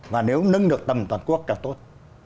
và nếu nâng được tầm toàn quốc thì tốt